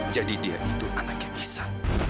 jadi dia itu anaknya isa